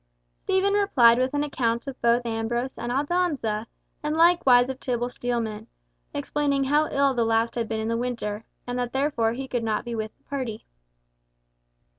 Stephen replied with an account of both Ambrose and Aldonza, and likewise of Tibble Steelman, explaining how ill the last had been in the winter, and that therefore he could not be with the party.